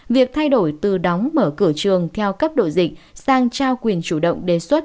việc thay đổi từ đóng mở cửa trường theo cấp độ dịch sang trao quyền chủ động đề xuất